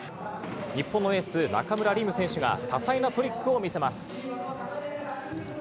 日本のエース、中村輪夢選手が多彩なトリックを見せます。